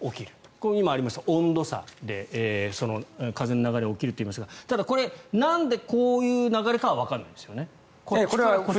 これ、今ありました温度差で風の流れが起きるといいましたがただ、これなんでこういう流れかはわからないんですよね。